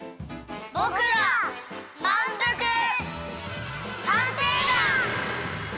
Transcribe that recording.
ぼくらまんぷく探偵団！